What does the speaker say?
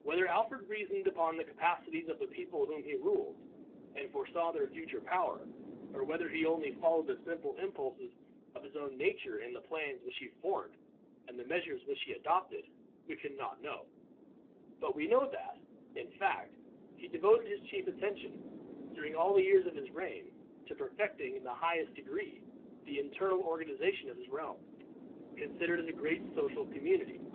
Whether Alfred reasoned upon the capacities of the people whom he ruled, and foresaw their future power, or whether he only followed the simple impulses of his own nature in the plans which he formed and the measures which he adopted, we can not know; but we know that, in fact, he devoted his chief attention, during all the years of his reign, to perfecting in the highest degree the internal organization of his realm, considered as a great social community.